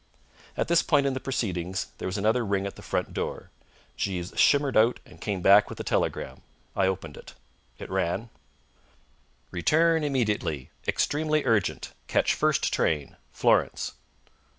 At this point in the proceedings there was another ring at the front door. Jeeves shimmered out and came back with a telegram. I opened it. It ran: _Return immediately. Extremely urgent. Catch first train. Florence.